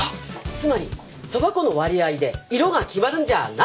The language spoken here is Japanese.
つまりそば粉の割合で色が決まるんじゃないんです